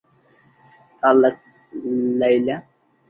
تطلّقت ليلى.